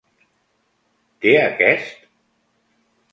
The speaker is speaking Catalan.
Té aquest...?